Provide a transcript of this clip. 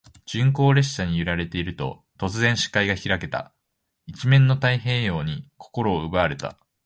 鈍行列車に揺られていると、突然、視界が開けた。一面の太平洋に心を奪われた。